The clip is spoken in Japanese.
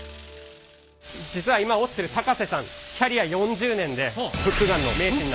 実は今織ってる高瀬さんキャリア４０年でフックガンの名手に。